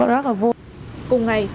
rất là vui